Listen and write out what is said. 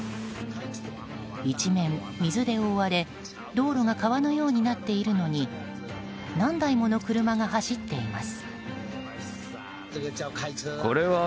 一面水で覆われ道路が川のようになっているのに何台もの車が走っています。